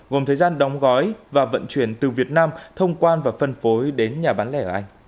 gồm thời gian đóng gói và vận chuyển từ việt nam thông quan và phân phối đến nhà bán lẻ ở anh